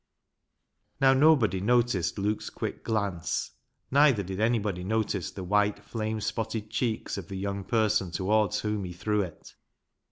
Now, nobody noticed Luke's quick glance, neither did anybody notice the white flame spotted cheeks of the young person towards whom he threw it.